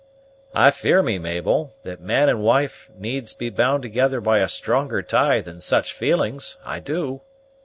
"I fear me, Mabel, that man and wife needs be bound together by a stronger tie than such feelings, I do.